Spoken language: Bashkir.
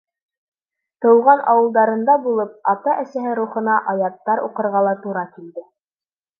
Тыуған ауылдарында булып, ата-әсәһе рухына аяттар уҡырға ла тура килде.